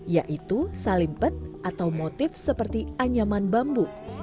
yaitu salimpet atau motif seperti anyaman bambu